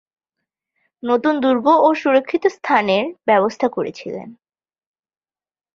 নতুন দুর্গ ও সুরক্ষিত স্থানের ব্যবস্থা করেছিলেন।